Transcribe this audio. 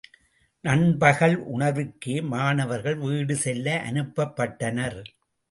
நண்பகல் உணவிற்கே மாணவர்கள் வீடு செல்ல அனுப்பப்பட்டனர்.